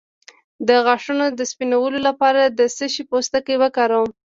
د غاښونو د سپینولو لپاره د څه شي پوستکی وکاروم؟